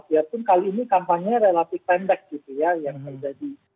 walaupun kali ini kampanye relatif pendek gitu ya